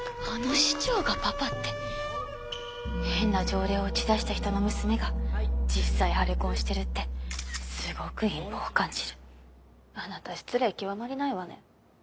あの市長がパパって変な条例を打ち出した人の娘が実際ハレ婚してるってすごく陰謀を感じるあなた失礼極まりないわね